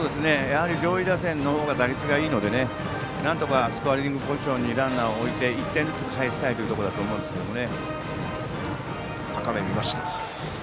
上位打線の方が打率がいいのでなんとかスコアリングポジションにランナーを置いて１点ずつ返したいところだと思うんですけどね。